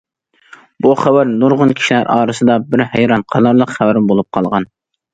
بۇ خەۋەر نۇرغۇن كىشىلەر ئارىسىدا بىر ھەيران قالارلىق خەۋەر بولۇپ قالغان.